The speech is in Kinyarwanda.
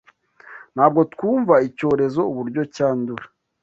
Ntabwo twumva Icyorezo uburyo cyandura.